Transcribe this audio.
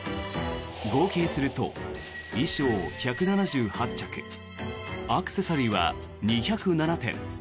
合計すると衣装１７８着アクセサリーは２０７点。